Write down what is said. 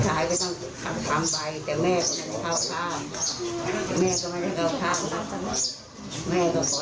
หายไปลูกชายหายไปลูกชายลูกชายทนไม่ไหว